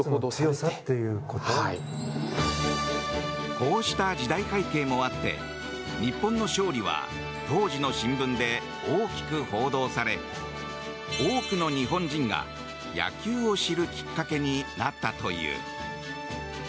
こうした時代背景もあって日本の勝利は当時の新聞で大きく報道され多くの日本人が野球を知るきっかけになったという。